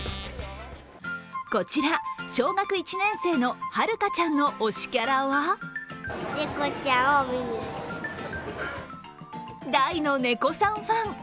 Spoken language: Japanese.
こちら、小学１年生のはるかちゃんの推しキャラは大のねこさんファン。